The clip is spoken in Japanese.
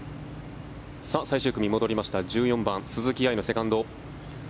最終組、戻りました１４番、鈴木愛のセカンド。